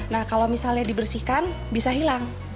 nah kalau misalnya dibersihkan bisa hilang